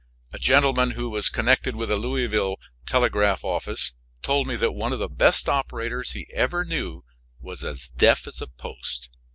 A gentleman who was connected with a Louisville telegraph office told me that one of the best operators he ever knew was as deaf as a post.